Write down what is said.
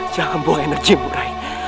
jangan buang enerjimu rai